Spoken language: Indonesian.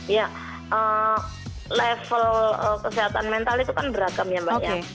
ya level kesehatan mental itu kan beragam ya mbak ya